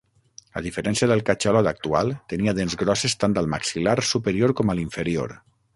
A diferència del catxalot actual, tenia dents grosses tant al maxil·lar superior com a l'inferior.